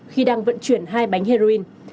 khi đang vận chuyển hai bánh heroin